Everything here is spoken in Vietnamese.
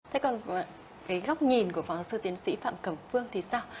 thế còn góc nhìn của phó giáo sư tiến sĩ phạm cẩm phương thì sao